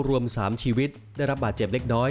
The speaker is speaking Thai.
รวม๓ชีวิตได้รับบาดเจ็บเล็กน้อย